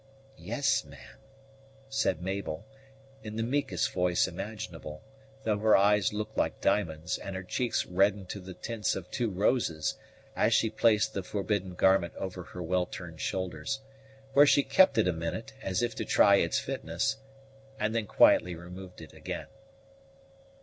"Yes, ma'am," said Mabel, in the meekest voice imaginable, though her eyes looked like diamonds, and her cheeks reddened to the tints of two roses, as she placed the forbidden garment over her well turned shoulders, where she kept it a minute, as if to try its fitness, and then quietly removed it again.